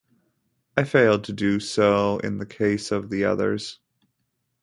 I failed to do so in the case of the others.